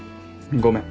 ごめん。